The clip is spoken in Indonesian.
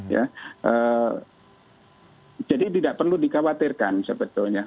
ya jadi tidak perlu dikhawatirkan sebetulnya